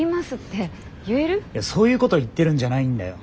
そういうことを言ってるんじゃないんだよ。